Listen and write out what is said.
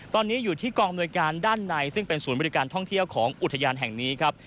ตอนนี้อยู่ที่กองอำนวยการด้านในซึ่งเป็นศูนย์บริการท่องเที่ยวของอุทยานแห่งนี้ครับ